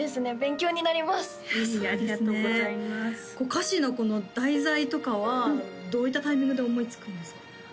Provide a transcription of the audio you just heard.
歌詞のこの題材とかはどういったタイミングで思いつくんですか？